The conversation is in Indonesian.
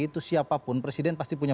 itu siapapun presiden pasti punya